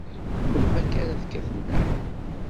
Ar melmi akka ara tekkat nneḥ?